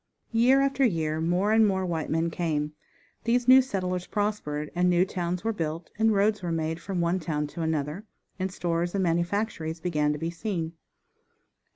Year after year more and more white men came. These new settlers prospered, and new towns were built, and roads were made from one town to another, and stores and manufactories began to be seen.